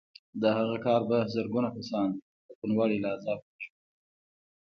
د هغه کار به زرګونه کسان د کوڼوالي له عذابه وژغوري